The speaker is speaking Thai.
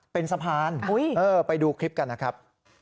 เป็นสะพานไปดูคลิปกันนะครับ